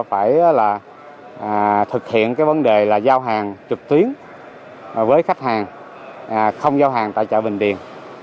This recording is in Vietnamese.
phải là thực hiện cái vấn đề là giao hàng trực tuyến với khách hàng không giao hàng tại chợ bình điền